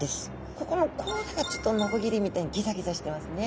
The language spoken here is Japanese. ここの甲羅がちょっとノコギリみたいにギザギザしてますね。